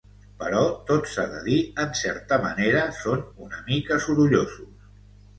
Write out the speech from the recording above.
Però, tot s'ha de dir, en certa manera són una mica sorollosos.